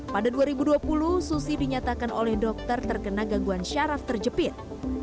pada dua ribu dua puluh susi dinyatakan oleh dokter terkena gangguan syaraf terjepit